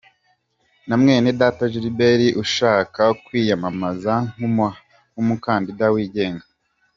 na Mwenedata Gilbert ushaka kwiyamamaza nk’umukandida wigenga.